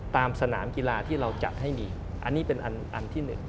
ตามสนามกีฬาที่เราจัดให้มีอันนี้เป็นอันที่๑